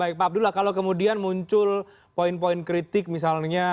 baik pak abdullah kalau kemudian muncul poin poin kritik misalnya